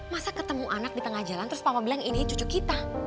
masa ketemu anak di tengah jalan terus papa bilang ini cucu kita